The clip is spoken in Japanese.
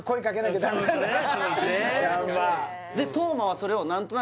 そうですね